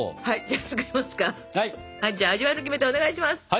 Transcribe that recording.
はい！